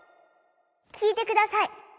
きいてください。